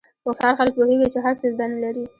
هوښیار خلک پوهېږي چې هر څه زده نه لري.